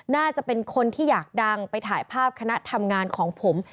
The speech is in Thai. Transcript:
น่าจะเป็นคนที่อยากดังไปถ่ายภาพคณะทำงานของผม